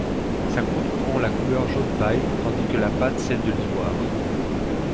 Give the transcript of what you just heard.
Sa croûte prend la couleur jaune paille, tandis que la pâte celle de l`ivoire.